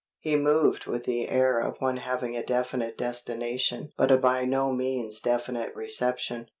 He moved with the air of one having a definite destination but a by no means definite reception.